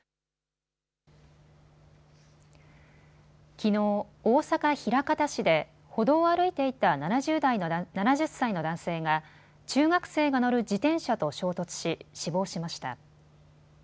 きのう大阪枚方市で歩道を歩いていた７０歳の男性が中学生が乗る自転車と衝突し死亡しました。